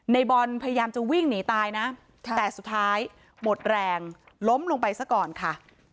ในบอลพยายามจะวิ่งหนีตายนะแต่สุดท้ายหมดแรงล้มลงไปซะก่อนค่ะ